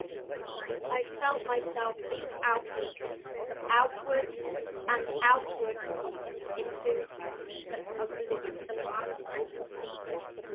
I felt myself leap outward outward and outward into oblivion.